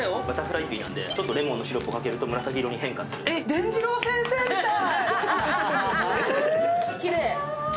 でんじろう先生みたい。